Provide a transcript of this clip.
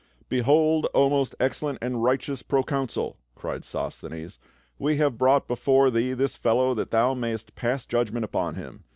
" Behold, O most excellent and righteous procon sul !" cried Sosthenes, "we hav^e brought before thee this fellow that thou mayst pass judgment upon him.